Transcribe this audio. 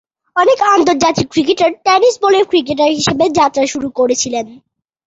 অনেক আন্তর্জাতিক cricketer tennis বলের ক্রিকেটার হিসাবে যাত্রা শুরু করেছিলেন।